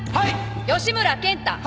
吉村健太。